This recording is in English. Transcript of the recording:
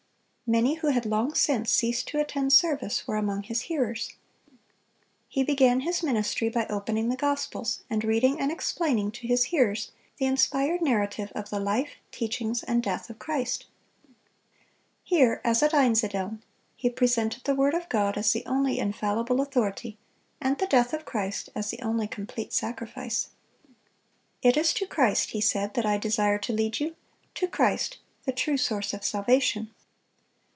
Many who had long since ceased to attend service were among his hearers. He began his ministry by opening the Gospels, and reading and explaining to his hearers the inspired narrative of the life, teachings, and death of Christ. Here, as at Einsiedeln, he presented the word of God as the only infallible authority, and the death of Christ as the only complete sacrifice. "It is to Christ," he said, "that I desire to lead you,—to Christ, the true source of salvation."